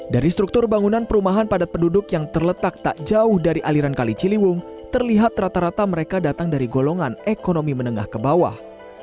dari struktur bangunan perumahan padat penduduk yang terletak tak jauh dari aliran kali ciliwung terlihat rata rata mereka datang dari golongan ekonomi menengah ke bawah